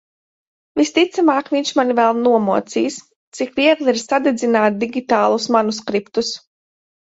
Visticamāk viņš mani vēl nomocīs. Cik viegli ir sadedzināt digitālus manuskriptus...